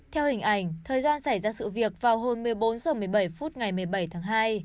theo hình ảnh thời gian xảy ra sự việc vào hồi một mươi bốn h một mươi bảy phút ngày một mươi bảy tháng hai